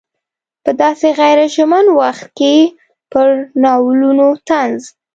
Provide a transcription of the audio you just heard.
په داسې غیر ژمن وخت کې پر ناولونو طنز.